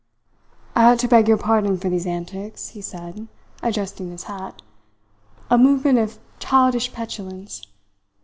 "I ought to beg your pardon for these antics," he said, adjusting his hat. "A movement of childish petulance!